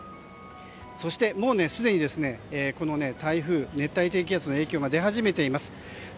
そしてもうすでに、この台風熱帯低気圧の影響が出始めています。